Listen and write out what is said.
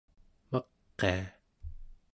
maqia